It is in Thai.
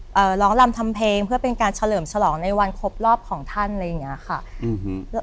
ร้องรำทำเพลงเพื่อเป็นการเฉลิมฉลองในวันครบรอบของท่านอะไรอย่างเงี้ยค่ะอืม